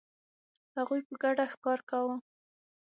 هغوی په ګډه ښکار کاوه.